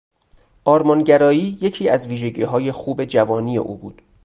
آرمانگرایی یکی از ویژگیهای خوب جوانی او بود.